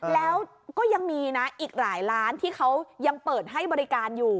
แล้วก็ยังมีนะอีกหลายร้านที่เขายังเปิดให้บริการอยู่